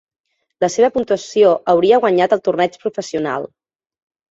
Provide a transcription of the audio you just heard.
La seva puntuació hauria guanyat el torneig professional.